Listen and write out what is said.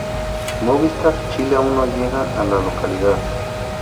Movistar Chile aún no llega a la localidad.